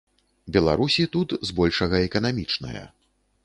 Беларусі тут збольшага эканамічная.